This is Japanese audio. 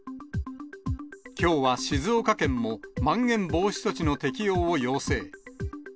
きょうは静岡県もまん延防止措置の適用を要請。